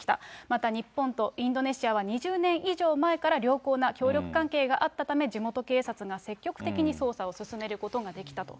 また、日本とインドネシアは２０年以上前から良好な協力関係があったため、地元警察が積極的に捜査を進めることができたと。